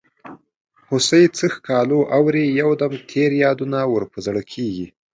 هوسۍ څه ښکالو اوري یو دم تېر یادونه ور په زړه کیږي.